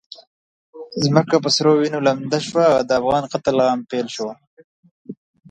ځمکه په سرو وینو لنده شوه، د افغان قتل عام پیل شو.